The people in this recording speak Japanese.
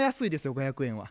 ５００円は。